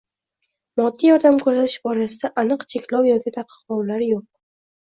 moddiy yordam ko‘rsatish borasida aniq cheklov yoki ta’qiqlovlar yo‘q.